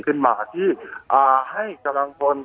ขึ้นมาที่ให้กำลังพล